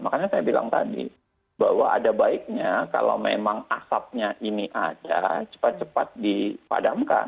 makanya saya bilang tadi bahwa ada baiknya kalau memang asapnya ini ada cepat cepat dipadamkan